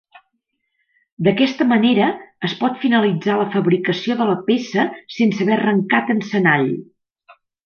D'aquesta manera, es pot finalitzar la fabricació de la peça sense haver arrancat encenall.